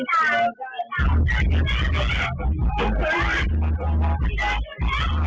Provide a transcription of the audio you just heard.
ชิ